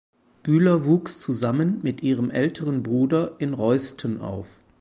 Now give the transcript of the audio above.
Bühler wuchs zusammen mit ihrem älteren Bruder in Reusten auf.